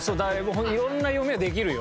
色んな読みはできるよ。